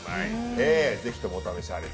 ぜひともお試しあれ。